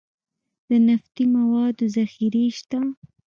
د نفتي موادو ذخیرې شته